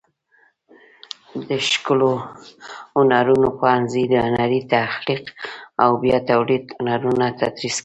د ښکلو هنرونو پوهنځی د هنري تخلیق او بیا تولید هنرونه تدریس کوي.